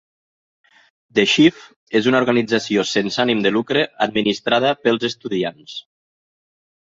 "The Sheaf" és una organització sense ànim de lucre administrada pels estudiants.